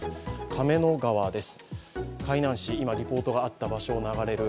亀の川です。